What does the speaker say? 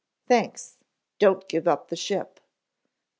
"Thanks. Don't give up the ship."